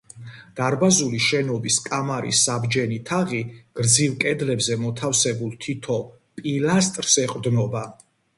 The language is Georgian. დარბაზული შენობის კამარის საბჯენი თაღი გრძივ კედლებზე მოთავსებულ თითო პილასტრს ეყრდნობა.